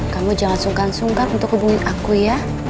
kamu jangan sungkan sungkan untuk hubungin aku ya